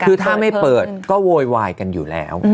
คือถ้าไม่เปิดก็โวยวายกันอยู่แล้ว